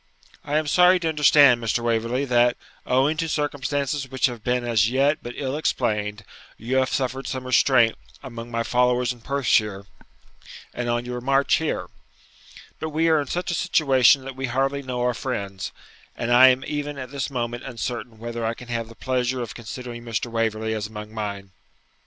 'I am sorry to understand, Mr. Waverley, that, owing to circumstances which have been as yet but ill explained, you have suffered some restraint among my followers in Perthshire and on your march here; but we are in such a situation that we hardly know our friends, and I am even at this moment uncertain whether I can have the pleasure of considering Mr. Waverley as among mine.'